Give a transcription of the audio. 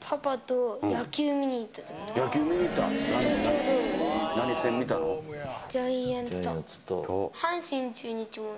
パパと野球見に行ったとき。